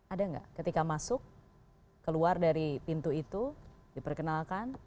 ada nggak ketika masuk keluar dari pintu itu diperkenalkan